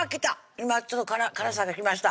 今ちょっと辛さが来ました